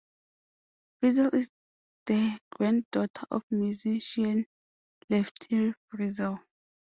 Frizzell is the granddaughter of musician Lefty Frizzell.